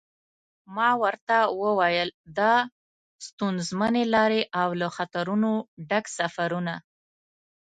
ما ورته و ویل دا ستونزمنې لارې او له خطرونو ډک سفرونه.